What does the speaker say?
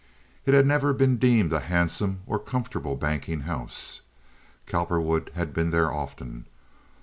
It had never been deemed a handsome or comfortable banking house. Cowperwood had been there often.